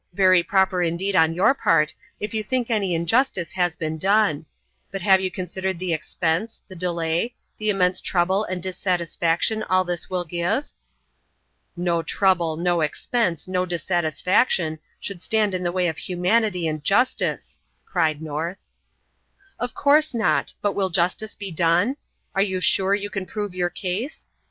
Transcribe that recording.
Very proper indeed on your part, if you think any injustice has been done; but have you considered the expense, the delay, the immense trouble and dissatisfaction all this will give?" "No trouble, no expense, no dissatisfaction, should stand in the way of humanity and justice," cried North. "Of course not. But will justice be done? Are you sure you can prove your case?